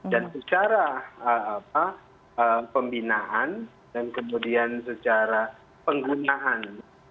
dan secara pembinaan dan kemudian secara penggunaan